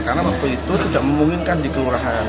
karena waktu itu tidak memungkinkan di kelurahan